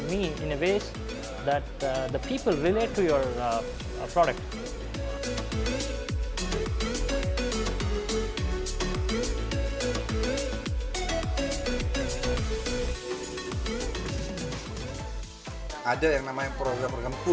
meninnovasi agar orang orang bisa menghubungi produk anda